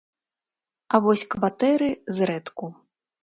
А вось кватэры зрэдку.